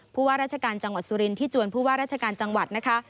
ผู้ว่าราชการจังหวัดสุรินที่จวนผู้ว่าราชการจังหวัดนะคะ